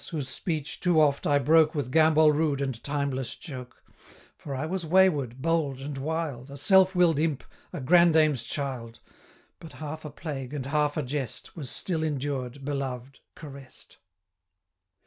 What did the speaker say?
whose speech too oft I broke With gambol rude and timeless joke: For I was wayward, bold, and wild, A self will'd imp, a grandame's child; 225 But half a plague, and half a jest, Was still endured, beloved, caress'd.